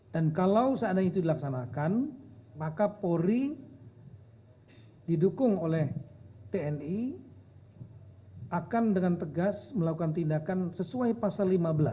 dan kalau saat itu dilaksanakan maka polri didukung oleh tni akan dengan tegas melakukan tindakan sesuai pasal lima belas